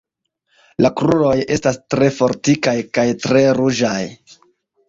La kruroj estas tre fortikaj kaj tre ruĝaj.